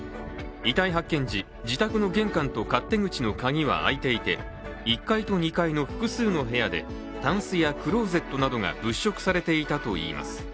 遺体発見時、自宅の玄関と勝手口の鍵は開いていて１階と２階の複数の部屋でたんすやクローゼットが物色されていたといいます。